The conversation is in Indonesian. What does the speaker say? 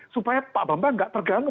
supaya pak bambang tidak terganggu